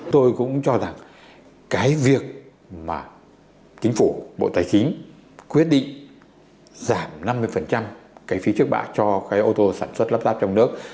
tôi cũng cho rằng cái việc mà chính phủ bộ tài chính quyết định giảm năm mươi cái phí trước bạ cho cái ô tô sản xuất lắp ráp trong nước